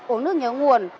uống nước nhớ nguồn